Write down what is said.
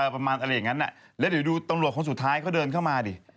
ประมาณอะไรอย่างนั้นแล้วเดี๋ยวดูตำรวจคนสุดท้ายเขาเดินเข้ามาดิ